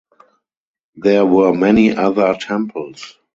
There were many other temples.